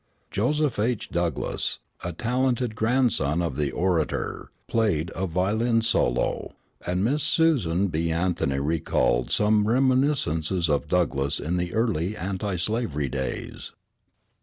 Joseph H. Douglass, a talented grandson of the orator, played a violin solo, and Miss Susan B. Anthony recalled some reminiscences of Douglass in the early anti slavery days.